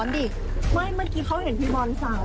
วิทยาลัยศาสตร์อัศวิทยาลัยศาสตร์